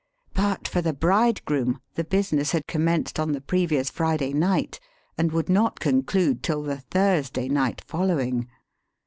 But for the bridegroom the business had commenced on the previous Friday night and would not conclude till the Thursday night following.